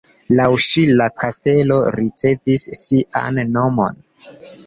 Laŭ ŝi la kastelo ricevis sian nomon.